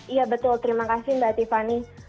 iya betul terima kasih mbak tiffany